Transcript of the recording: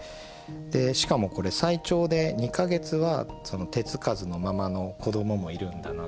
しかもこれ最長で二ヶ月は手付かずのままのこどももいるんだなっていう。